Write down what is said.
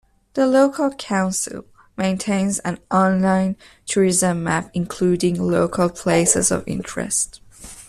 The local Council maintains an online tourism map including local places of interest.